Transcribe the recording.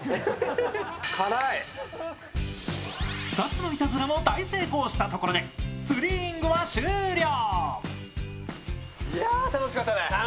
２つのいたずらも大成功したところでツリーイングは終了。